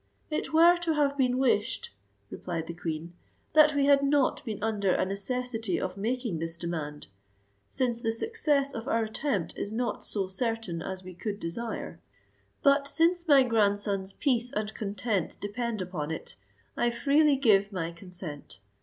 "It were to have been wished," replied the queen, "that we had not been under a necessity of making this demand, since the success of our attempt is not so certain as we could desire; but since my grandson's peace and content depend upon it, I freely give my consent.